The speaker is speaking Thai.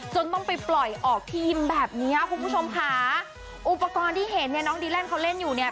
จนต้องไปปล่อยออกทีมแบบเนี้ยคุณผู้ชมค่ะอุปกรณ์ที่เห็นเนี่ยน้องดีแลนดเขาเล่นอยู่เนี่ย